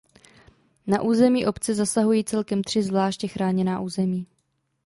Na území obce zasahují celkem tři zvláště chráněná území.